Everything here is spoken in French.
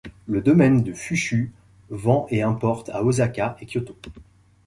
Le domaine de Fuchū vend et importe à Osaka et Kyoto.